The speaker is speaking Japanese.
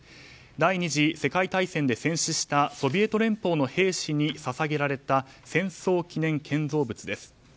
第２次世界大戦で戦死したソビエト連邦の兵士に捧げられた戦争記念建造物です。